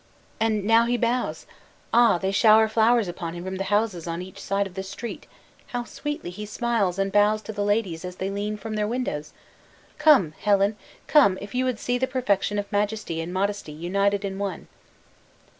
and now he bows. Ah, they shower flowers upon him from the houses on each side of the street; how sweetly he smiles and bows to the ladies as they lean from their windows! Come, Helen, come, if you would see the perfection of majesty and modesty united in one!"